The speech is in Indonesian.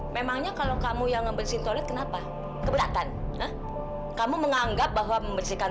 memangnya kalau kamu yang membersi toilet kenapa keberatan kamu menganggap bahwa membersihkan